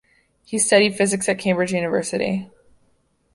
He studied physics at Cambridge University.